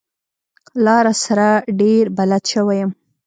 لاره سره ډېر بلد شوی يم.